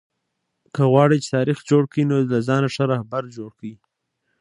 که غواړى، چي تاریخ جوړ کى؛ نو له ځانه ښه راهبر جوړ کئ!